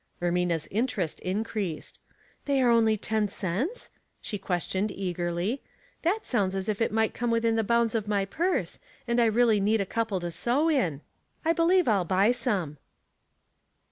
Ermina's interest increased. " Are they only ten cents ?" she questioned, eagerly. " That sounds as if it might come within the bounds of my purse, and I really need a couple to sew in. I believe I'll buy Bome."